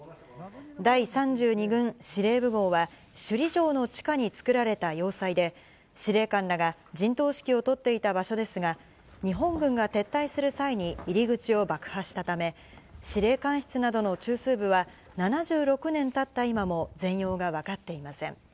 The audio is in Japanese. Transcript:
第３２軍司令部壕は、首里城の地下に作られた要塞で、司令官らが陣頭指揮を執っていた場所ですが、日本軍が撤退する際に入り口を爆破したため、司令官室などの中枢部は、７６年たった今も全容が分かっていません。